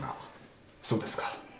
そうですか。